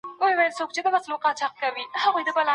که ښځې وده ورکړي نو ژبه به نه ورکېږي.